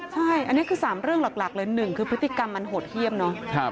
ใช่อันนี้คือ๓เรื่องหลักเลย๑คือพฤติกรรมมันโหดเยี่ยมเนอะ